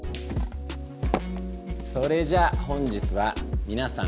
それじゃあ本日はみなさん